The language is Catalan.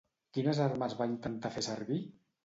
Quines armes va intentar fer servir?